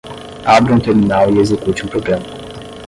Abra um terminal e execute um programa.